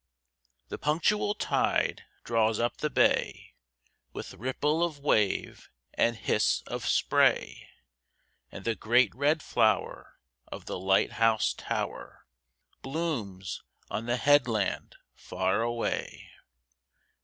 The punctual tide draws up the bay, With ripple of wave and hiss of spray, And the great red flower of the light house tower Blooms on the headland far away.